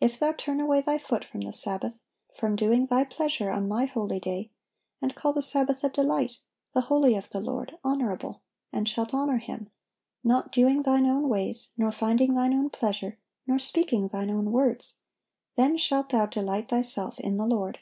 If thou turn away thy foot from the Sabbath, from doing thy pleasure on My holy day; and call the Sabbath a delight, the holy of the Lord, honorable; and shalt honor Him, not doing thine own ways, nor finding thine own pleasure, nor speaking thine own words: then shalt thou delight thyself in the Lord."